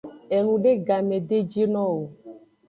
Enude game de jino o.